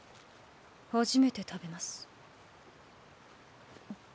初めて食べます。